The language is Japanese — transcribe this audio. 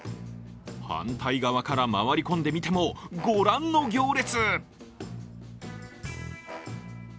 反対側から回り込んで見てもご覧の行列。